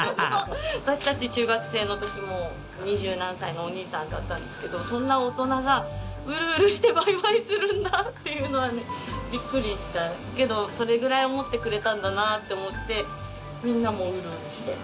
私たち中学生の時も二十何歳のお兄さんだったんですけどそんな大人がウルウルしてバイバイするんだっていうのはねビックリしたけどそれぐらい思ってくれたんだなって思ってみんなもウルウルして。